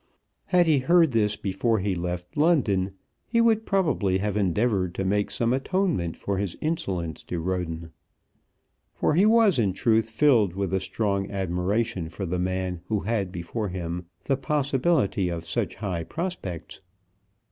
Had he heard this before he left London, he would probably have endeavoured to make some atonement for his insolence to Roden; for he was in truth filled with a strong admiration for the man who had before him the possibility of such high prospects.